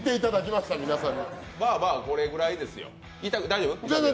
まあまあこれぐらいですよ。